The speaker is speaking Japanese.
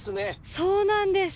そうなんです！